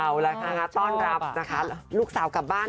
เอาละค่ะต้อนรับนะคะลูกสาวกลับบ้าน